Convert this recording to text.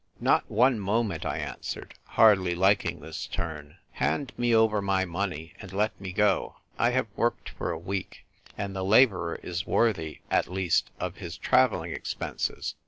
" Not one moment," I answered, hardly liking this turn. " Hand me over my money, and let me go ! I have worked for a week, and the labourer is worthy at least of his travelling expenses.